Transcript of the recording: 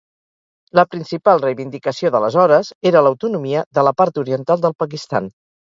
La principal reivindicació d'aleshores era l'autonomia de la part oriental del Pakistan.